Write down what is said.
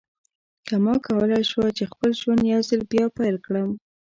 که ما کولای شوای چې خپل ژوند یو ځل بیا پیل کړم.